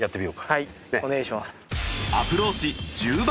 はいお願いします。